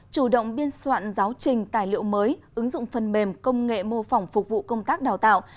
chủ động biên soạn giáo trình tài liệu mới ứng dụng phần mềm công nghệ mô phỏng phục vụ công tác đào tạo